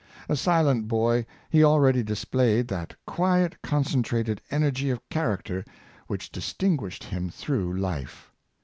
A silent boy, he already displayed that quiet concen trated energy of character which distinguished him 348 David Wzlkze, through life.